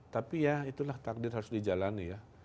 tapi ya itulah takdir harus dijalani ya